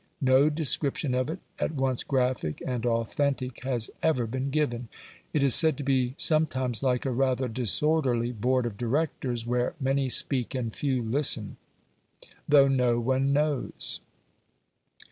No description of it, at once graphic and authentic, has ever been given. It is said to be sometimes like a rather disorderly board of directors, where many speak and few listen though no one knows.